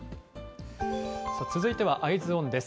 続いてはＥｙｅｓｏｎです。